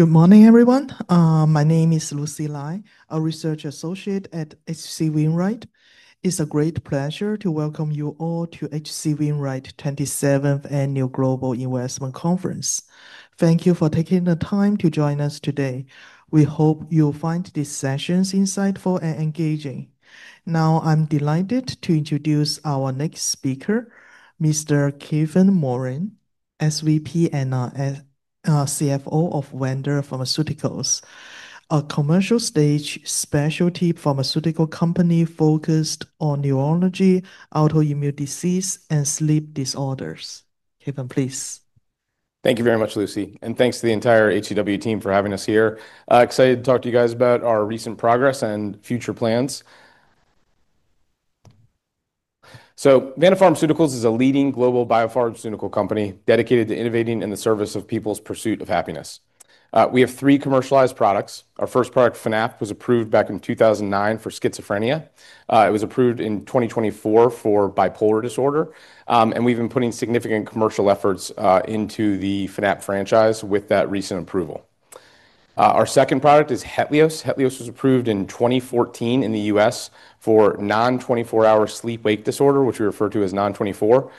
Good morning, everyone. My name is Lucy Lai, a Research Associate at H.C. Wainwright. It's a great pleasure to welcome you all to H.C. Wainwright's 27th Annual Global Investment Conference. Thank you for taking the time to join us today. We hope you'll find these sessions insightful and engaging. Now, I'm delighted to introduce our next speaker, Mr. Kevin Moran, Senior Vice President and Chief Financial Officer of Vanda Pharmaceuticals Inc., a commercial-stage specialty pharmaceutical company focused on neurology, autoimmune diseases, and sleep disorders. Kevin, please. Thank you very much, Lucy, and thanks to the entire H.C. Wainwright team for having us here. Excited to talk to you guys about our recent progress and future plans. Vanda Pharmaceuticals Inc. is a leading global biopharmaceutical company dedicated to innovating in the service of people's pursuit of happiness. We have three commercialized products. Our first product, Fanapt, was approved back in 2009 for schizophrenia. It was approved in 2024 for bipolar disorder, and we've been putting significant commercial efforts into the Fanapt franchise with that recent approval. Our second product is HETLIOZ. HETLIOZ was approved in 2014 in the U.S. for non-24-hour sleep-wake disorder, which we refer to as non-24.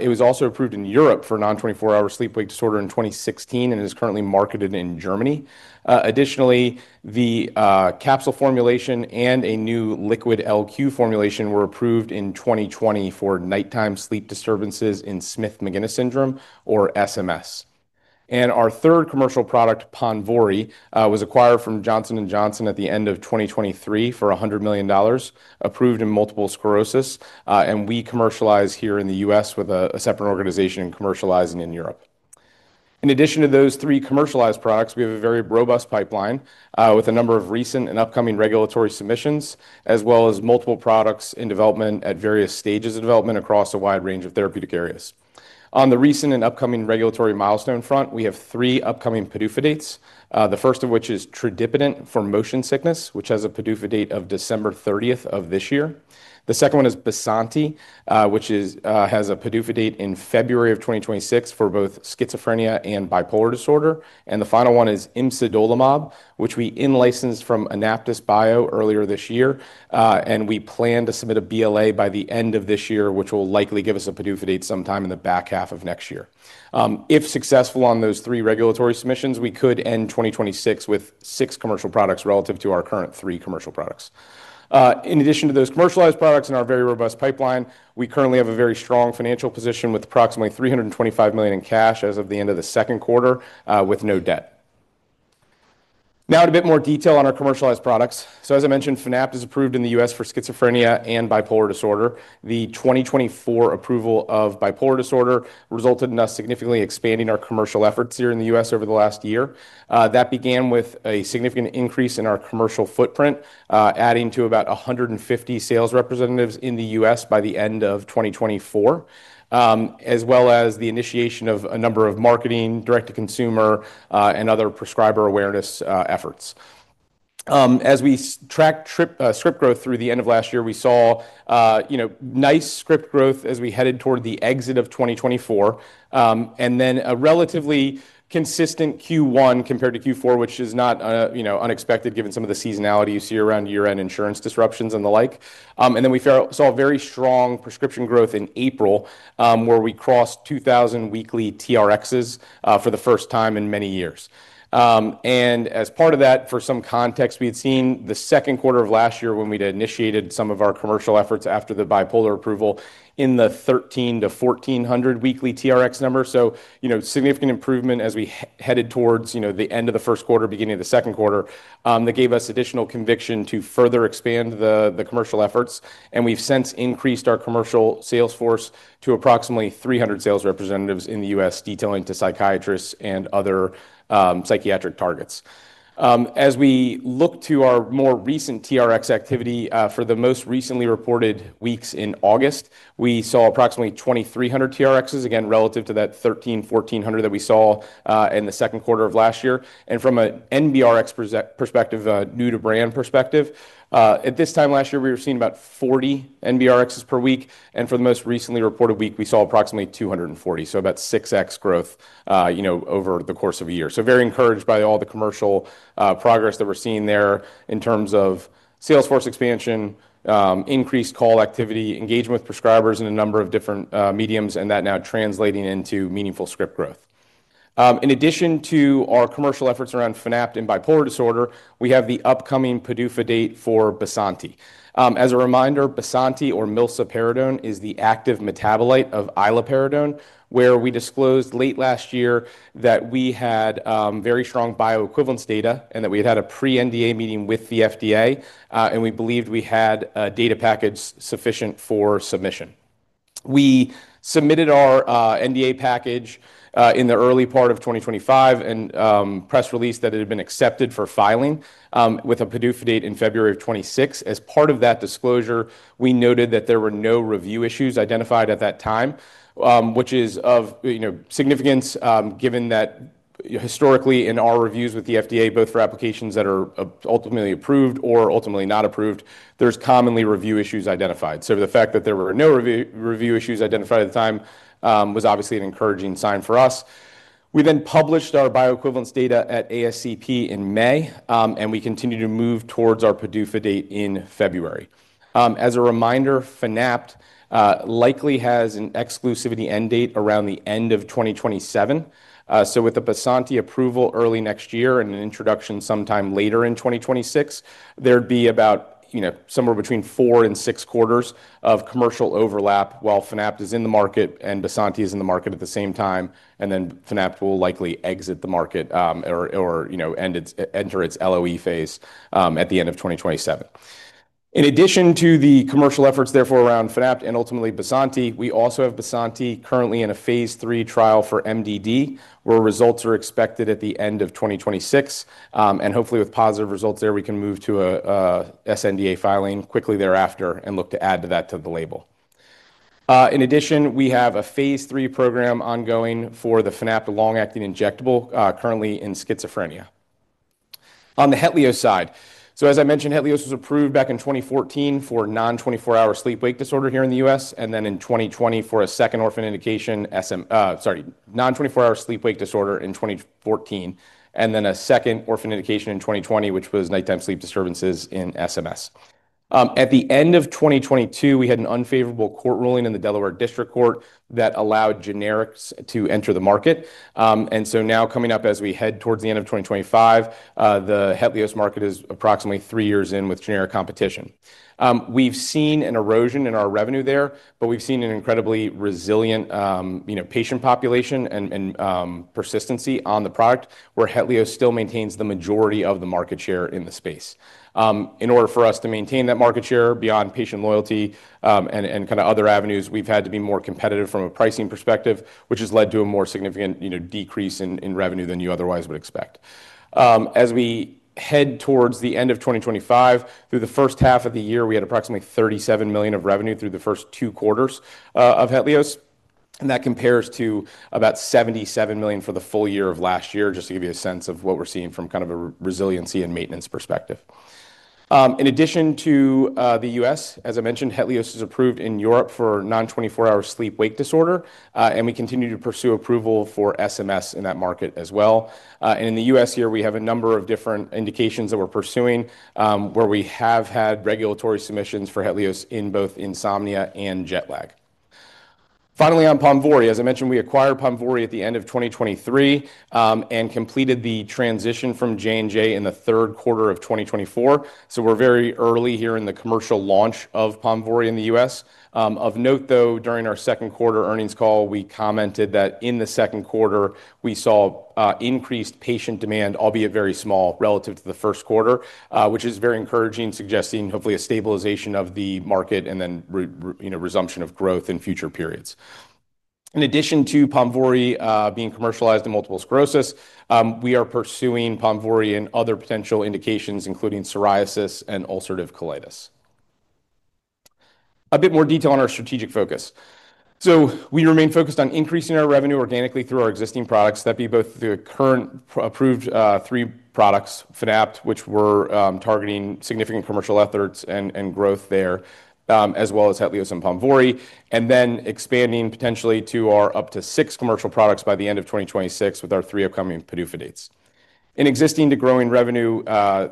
It was also approved in Europe for non-24-hour sleep-wake disorder in 2016 and is currently marketed in Germany. Additionally, the capsule formulation and a new liquid LQ formulation were approved in 2020 for nighttime sleep disturbances in Smith-Magenis syndrome, or SMS. Our third commercial product, PONVORY, was acquired from Johnson & Johnson at the end of 2023 for $100 million, approved in multiple sclerosis, and we commercialize here in the U.S. with a separate organization commercializing in Europe. In addition to those three commercialized products, we have a very robust pipeline with a number of recent and upcoming regulatory submissions, as well as multiple products in development at various stages of development across a wide range of therapeutic areas. On the recent and upcoming regulatory milestone front, we have three upcoming PDUFA dates, the first of which is tradipitant for motion sickness, which has a PDUFA date of December 30th of this year. The second one is Bysanti, which has a PDUFA date in February of 2026 for both schizophrenia and bipolar disorder. The final one is imsidolimab, which we in-licensed from AnaptysBio earlier this year, and we plan to submit a BLA by the end of this year, which will likely give us a PDUFA date sometime in the back half of next year. If successful on those three regulatory submissions, we could end 2026 with six commercial products relative to our current three commercial products. In addition to those commercialized products and our very robust pipeline, we currently have a very strong financial position with approximately $325 million in cash as of the end of the second quarter, with no debt. Now, in a bit more detail on our commercialized products. As I mentioned, Fanapt is approved in the U.S. for schizophrenia and bipolar disorder. The 2024 approval of bipolar disorder resulted in us significantly expanding our commercial efforts here in the U.S. over the last year. That began with a significant increase in our commercial footprint, adding to about 150 sales representatives in the U.S. by the end of 2024, as well as the initiation of a number of marketing, direct-to-consumer, and other prescriber awareness efforts. As we tracked script growth through the end of last year, we saw nice script growth as we headed toward the exit of 2024, and then a relatively consistent Q1 compared to Q4, which is not unexpected given some of the seasonality you see around year-end insurance disruptions and the like. We saw very strong prescription growth in April, where we crossed 2,000 weekly TRXs for the first time in many years. For some context, we had seen the second quarter of last year when we'd initiated some of our commercial efforts after the bipolar approval in the 1,300 to 1,400 weekly TRX number. Significant improvement as we headed towards the end of the first quarter, beginning of the second quarter, gave us additional conviction to further expand the commercial efforts. We've since increased our commercial sales force to approximately 300 sales representatives in the U.S., detailing to psychiatrists and other psychiatric targets. As we look to our more recent TRX activity, for the most recently reported weeks in August, we saw approximately 2,300 TRXs, again relative to that 1,300 to 1,400 that we saw in the second quarter of last year. From an NBRX perspective, a new-to-brand perspective, at this time last year, we were seeing about 40 NBRXs per week, and for the most recently reported week, we saw approximately 240, so about 6x growth over the course of a year. We are very encouraged by all the commercial progress that we're seeing there in terms of sales force expansion, increased call activity, engagement with prescribers in a number of different mediums, and that now translating into meaningful script growth. In addition to our commercial efforts around Fanapt and bipolar disorder, we have the upcoming PDUFA date for Bysanti. As a reminder, Bysanti, or milsaperidone, is the active metabolite of iloperidone, where we disclosed late last year that we had very strong bioequivalence data and that we had had a pre-NDA meeting with the FDA, and we believed we had a data package sufficient for submission. We submitted our NDA package in the early part of 2025 and press released that it had been accepted for filing with a PDUFA date in February of 2026. As part of that disclosure, we noted that there were no review issues identified at that time, which is of significance given that historically in our reviews with the FDA, both for applications that are ultimately approved or ultimately not approved, there's commonly review issues identified. The fact that there were no review issues identified at the time was obviously an encouraging sign for us. We then published our bioequivalence data at ASCP in May, and we continue to move towards our PDUFA date in February. As a reminder, Fanapt likely has an exclusivity end date around the end of 2027. With the Bysanti approval early next year and an introduction sometime later in 2026, there'd be about, you know, somewhere between four and six quarters of commercial overlap while Fanapt is in the market and Bysanti is in the market at the same time, and then Fanapt will likely exit the market or, you know, enter its LOE phase at the end of 2027. In addition to the commercial efforts, therefore, around Fanapt and ultimately Bysanti, we also have Bysanti currently in a phase 3 trial for MDD, where results are expected at the end of 2026. Hopefully, with positive results there, we can move to an sNDA filing quickly thereafter and look to add to that to the label. In addition, we have a phase 3 program ongoing for the Fanapt, the long-acting injectable, currently in schizophrenia. On the HETLIOZ side, as I mentioned, HETLIOZ was approved back in 2014 for non-24-hour sleep-wake disorder here in the U.S., and then in 2020 for a second orphan indication, sorry, non-24-hour sleep-wake disorder in 2014, and then a second orphan indication in 2020, which was nighttime sleep disturbances in Smith-Magenis syndrome. At the end of 2022, we had an unfavorable court ruling in the Delaware District Court that allowed generics to enter the market. Now, coming up as we head towards the end of 2025, the HETLIOZ market is approximately three years in with generic competition. We've seen an erosion in our revenue there, but we've seen an incredibly resilient patient population and persistency on the product, where HETLIOZ still maintains the majority of the market share in the space. In order for us to maintain that market share beyond patient loyalty and other avenues, we've had to be more competitive from a pricing perspective, which has led to a more significant decrease in revenue than you otherwise would expect. As we head towards the end of 2025, through the first half of the year, we had approximately $37 million of revenue through the first two quarters of HETLIOZ, and that compares to about $77 million for the full year of last year, just to give you a sense of what we're seeing from a resiliency and maintenance perspective. In addition to the U.S., as I mentioned, HETLIOZ is approved in Europe for non-24-hour sleep-wake disorder, and we continue to pursue approval for Smith-Magenis syndrome in that market as well. In the U.S. here, we have a number of different indications that we're pursuing, where we have had regulatory submissions for HETLIOZ in both insomnia and jet lag. Finally, on PONVORY, as I mentioned, we acquired PONVORY at the end of 2023 and completed the transition from Johnson & Johnson in the third quarter of 2024. We're very early here in the commercial launch of PONVORY in the U.S. Of note, during our second quarter earnings call, we commented that in the second quarter, we saw increased patient demand, albeit very small, relative to the first quarter, which is very encouraging, suggesting hopefully a stabilization of the market and then resumption of growth in future periods. In addition to PONVORY being commercialized in multiple sclerosis, we are pursuing PONVORY in other potential indications, including psoriasis and ulcerative colitis. A bit more detail on our strategic focus. We remain focused on increasing our revenue organically through our existing products, that being both the current approved three products, Fanapt, which we're targeting significant commercial efforts and growth there, as well as HETLIOZ and PONVORY, and then expanding potentially to our up to six commercial products by the end of 2026 with our three upcoming PDUFA dates. In addition to growing revenue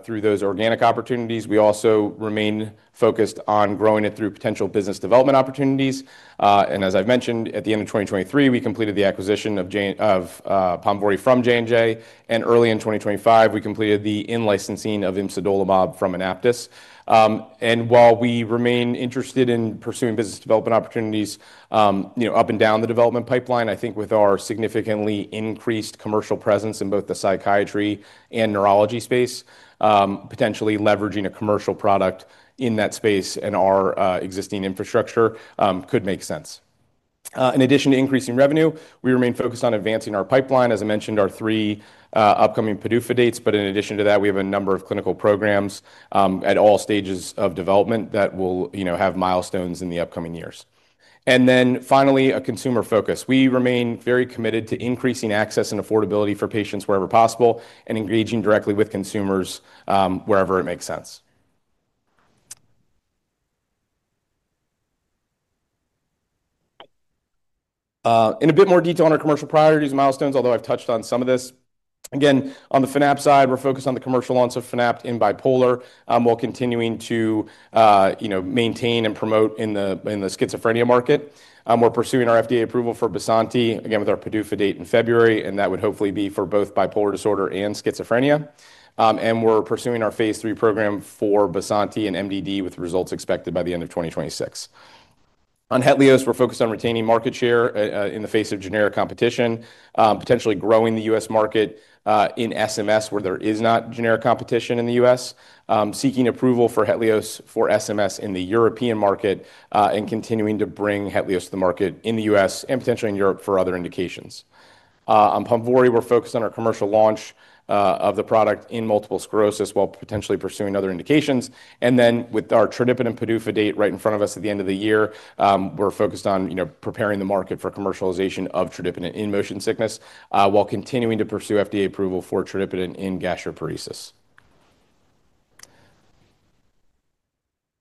through those organic opportunities, we also remain focused on growing it through potential business development opportunities. As I've mentioned, at the end of 2023, we completed the acquisition of PONVORY from Johnson & Johnson, and early in 2024, we completed the in-licensing of imsidolimab from AnaptysBio. While we remain interested in pursuing business development opportunities up and down the development pipeline, I think with our significantly increased commercial presence in both the psychiatry and neurology space, potentially leveraging a commercial product in that space in our existing infrastructure could make sense. In addition to increasing revenue, we remain focused on advancing our pipeline, as I mentioned, our three upcoming PDUFA dates, but in addition to that, we have a number of clinical programs at all stages of development that will have milestones in the upcoming years. Finally, a consumer focus. We remain very committed to increasing access and affordability for patients wherever possible and engaging directly with consumers wherever it makes sense. In a bit more detail on our commercial priorities and milestones, although I've touched on some of this, again, on the Fanapt side, we're focused on the commercial launch of Fanapt in bipolar while continuing to maintain and promote in the schizophrenia market. We're pursuing our FDA approval for Bysanti, again with our PDUFA date in February, and that would hopefully be for both bipolar disorder and schizophrenia. We're pursuing our phase 3 program for Bysanti in major depressive disorder with results expected by the end of 2026. On HETLIOZ, we're focused on retaining market share in the face of generic competition, potentially growing the U.S. market in Smith-Magenis syndrome, where there is not generic competition in the U.S., seeking approval for HETLIOZ for Smith-Magenis syndrome in the European market, and continuing to bring HETLIOZ to the market in the U.S. and potentially in Europe for other indications. On PONVORY, we're focused on our commercial launch of the product in multiple sclerosis while potentially pursuing other indications. With our tradipitant and PDUFA date right in front of us at the end of the year, we're focused on preparing the market for commercialization of tradipitant in motion sickness while continuing to pursue FDA approval for tradipitant in gastroparesis.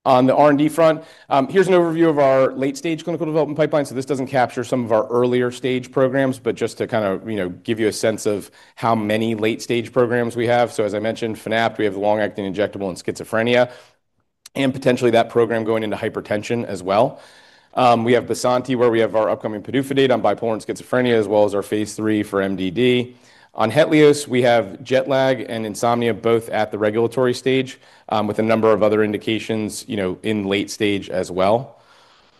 On the R&D front, here's an overview of our late-stage clinical development pipeline. This doesn't capture some of our earlier stage programs, but just to give you a sense of how many late-stage programs we have. As I mentioned, Fanapt, we have the long-acting injectable in schizophrenia and potentially that program going into hypertension as well. We have Bysanti, where we have our upcoming PDUFA date on bipolar and schizophrenia, as well as our phase 3 for MDD. On HETLIOZ, we have jet lag and insomnia both at the regulatory stage with a number of other indications in late stage as well.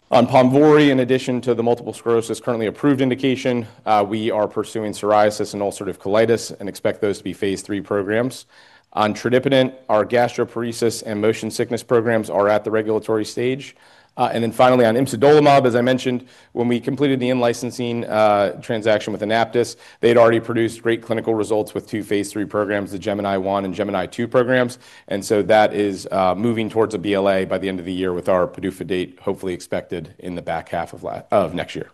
On PONVORY, in addition to the multiple sclerosis currently approved indication, we are pursuing psoriasis and ulcerative colitis and expect those to be phase 3 programs. On tradipitant and our gastroparesis and motion sickness programs are at the regulatory stage. Finally, on imsidolimab, as I mentioned, when we completed the in-licensing transaction with AnaptysBio, they'd already produced great clinical results with two phase 3 programs, the GEMINI 1 and GEMINI 2 programs. That is moving towards a BLA by the end of the year with our PDUFA date hopefully expected in the back half of next year.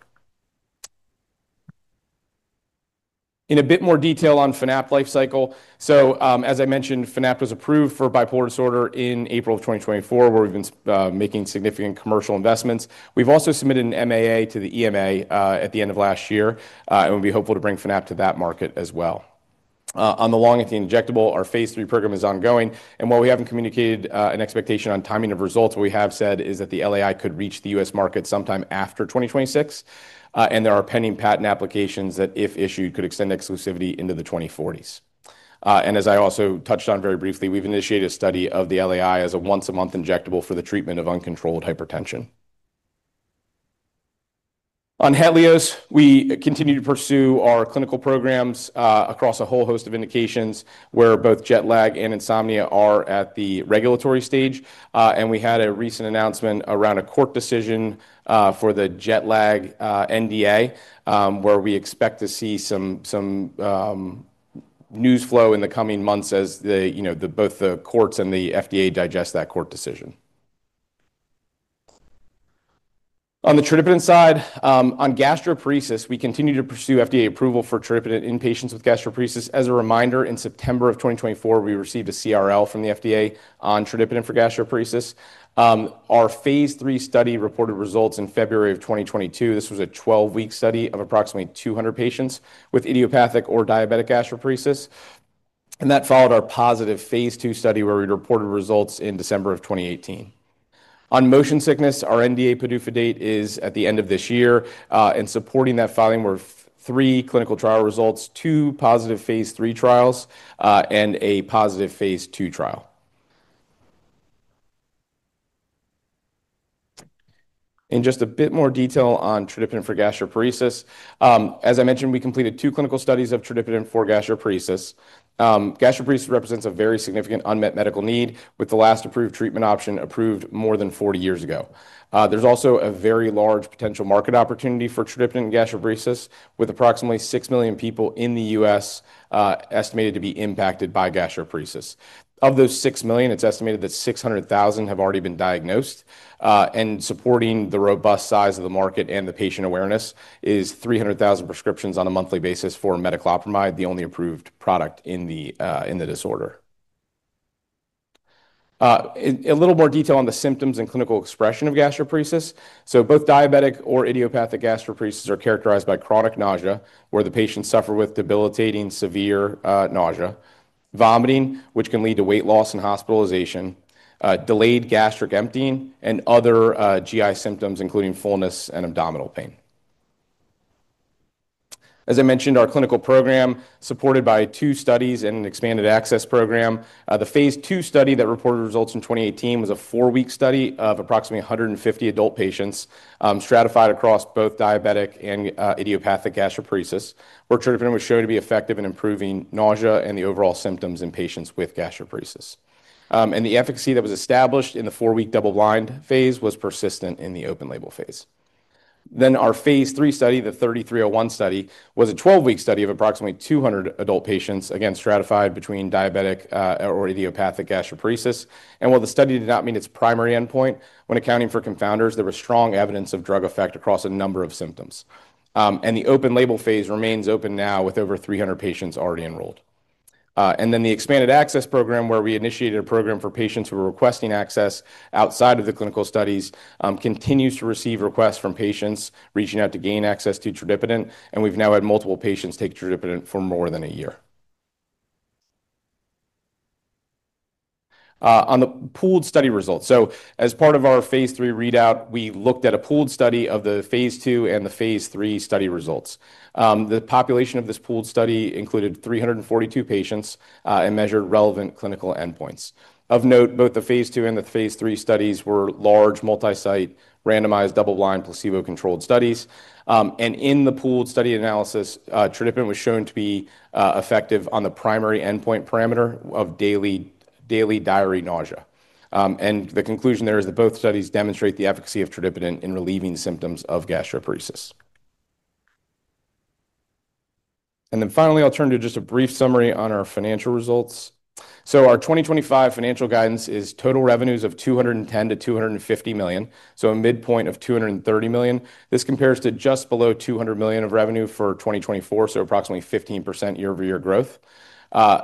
In a bit more detail on Fanapt lifecycle, as I mentioned, Fanapt was approved for bipolar disorder in April of 2024, where we've been making significant commercial investments. We've also submitted an MAA to the EMA at the end of last year, and we'll be hopeful to bring Fanapt to that market as well. On the long-acting injectable, our phase 3 program is ongoing, and while we haven't communicated an expectation on timing of results, what we have said is that the LAI could reach the U.S. market sometime after 2026, and there are pending patent applications that, if issued, could extend exclusivity into the 2040s. As I also touched on very briefly, we've initiated a study of the LAI as a once-a-month injectable for the treatment of uncontrolled hypertension. On HETLIOZ, we continue to pursue our clinical programs across a whole host of indications, where both jet lag and insomnia are at the regulatory stage. We had a recent announcement around a court decision for the jet lag NDA, where we expect to see some news flow in the coming months as both the courts and the FDA digest that court decision. On the tradipitant side, on gastroparesis, we continue to pursue FDA approval for tradipitant in patients with gastroparesis. As a reminder, in September of 2024, we received a CRL from the FDA on tradipitant for gastroparesis. Our phase 3 study reported results in February of 2022. This was a 12-week study of approximately 200 patients with idiopathic or diabetic gastroparesis. That followed our positive phase 2 study, where we reported results in December of 2018. On motion sickness, our NDA PDUFA date is at the end of this year, and supporting that filing were three clinical trial results, two positive phase 3 trials, and a positive phase 2 trial. In just a bit more detail on tradipitant for gastroparesis, as I mentioned, we completed two clinical studies of tradipitant for gastroparesis. Gastroparesis represents a very significant unmet medical need, with the last approved treatment option approved more than 40 years ago. There's also a very large potential market opportunity for tradipitant in gastroparesis, with approximately 6 million people in the U.S. estimated to be impacted by gastroparesis. Of those 6 million, it's estimated that 600,000 have already been diagnosed, and supporting the robust size of the market and the patient awareness is 300,000 prescriptions on a monthly basis for metoclopramide, the only approved product in the disorder. A little more detail on the symptoms and clinical expression of gastroparesis. Both diabetic or idiopathic gastroparesis are characterized by chronic nausea, where the patients suffer with debilitating severe nausea, vomiting, which can lead to weight loss and hospitalization, delayed gastric emptying, and other GI symptoms, including fullness and abdominal pain. As I mentioned, our clinical program is supported by two studies and an expanded access program. The phase 2 study that reported results in 2018 was a four-week study of approximately 150 adult patients stratified across both diabetic and idiopathic gastroparesis, where tradipitant was shown to be effective in improving nausea and the overall symptoms in patients with gastroparesis. The efficacy that was established in the four-week double-blind phase was persistent in the open-label phase. Our phase 3 study, the 3301 study, was a 12-week study of approximately 200 adult patients, again stratified between diabetic or idiopathic gastroparesis. While the study did not meet its primary endpoint, when accounting for confounders, there was strong evidence of drug effect across a number of symptoms. The open-label phase remains open now with over 300 patients already enrolled. The expanded access program, where we initiated a program for patients who were requesting access outside of the clinical studies, continues to receive requests from patients reaching out to gain access to tradipitant, and we've now had multiple patients take tradipitant for more than a year. On the pooled study results, as part of our phase 3 readout, we looked at a pooled study of the phase 2 and the phase 3 study results. The population of this pooled study included 342 patients and measured relevant clinical endpoints. Of note, both the phase 2 and the phase 3 studies were large multi-site, randomized, double-blind, placebo-controlled studies. In the pooled study analysis, tradipitant was shown to be effective on the primary endpoint parameter of daily diary nausea. The conclusion there is that both studies demonstrate the efficacy of tradipitant in relieving symptoms of gastroparesis. Finally, I'll turn to just a brief summary on our financial results. Our 2025 financial guidance is total revenues of $210 million to $250 million, a midpoint of $230 million. This compares to just below $200 million of revenue for 2024, approximately 15% year-over-year growth.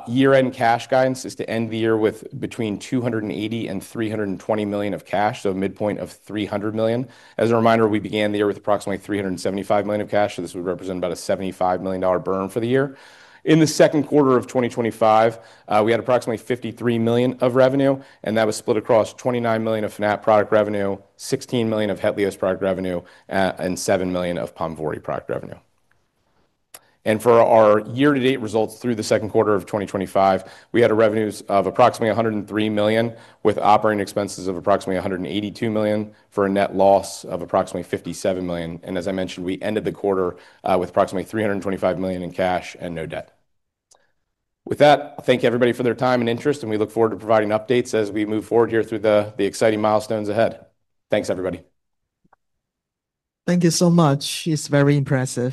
Year-end cash guidance is to end the year with between $280 million and $320 million of cash, a midpoint of $300 million. As a reminder, we began the year with approximately $375 million of cash, so this would represent about a $75 million burn for the year. In the second quarter of 2025, we had approximately $53 million of revenue, split across $29 million of Fanapt product revenue, $16 million of HETLIOZ product revenue, and $7 million of PONVORY product revenue. For our year-to-date results through the second quarter of 2025, we had revenues of approximately $103 million with operating expenses of approximately $182 million for a net loss of approximately $57 million. As I mentioned, we ended the quarter with approximately $325 million in cash and no debt. I thank everybody for their time and interest, and we look forward to providing updates as we move forward here through the exciting milestones ahead. Thanks, everybody. Thank you so much. It's very impressive.